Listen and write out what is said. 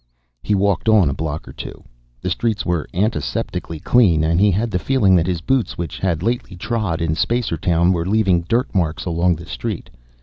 He walked on a block or two. The streets were antiseptically clean, and he had the feeling that his boots, which had lately trod in Spacertown, were leaving dirtmarks along the street.